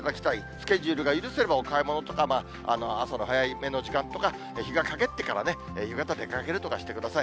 スケジュールが許せばお買い物とか、朝の早めの時間とか、日が陰ってから、夕方出かけるとかしてください。